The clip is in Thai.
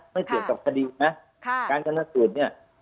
ไม่เกี่ยวกับคดีนะการชนะสูตรเนี่ย